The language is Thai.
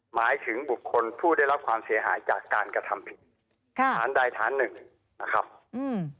หมายถึงบุคคลผู้ได้รับความเสียหายจากการกระทำผิดค่ะฐานใดฐานหนึ่งนะครับอืม